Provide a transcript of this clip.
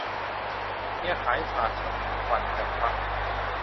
เมียขายฝาก - ชอุ่ม ปัญจพรรค์